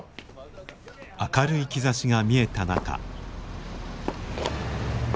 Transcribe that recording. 明るい兆しが見えた中。